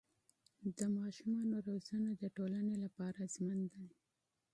د ماشومانو روزنه د ټولنې لپاره حیاتي ده.